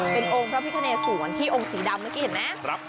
เป็นองค์พระพิคเนสวนที่องค์สีดำเมื่อกี้เห็นไหม